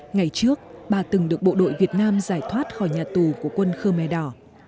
ngày trước bà từng được bộ đội việt nam giải thoát khỏi nhà tù của quân khơ mè đỏ